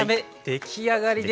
出来上がりです。